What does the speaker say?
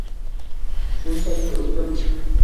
Shunchaki, o'zim.